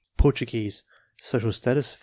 Portuguese, social status 5.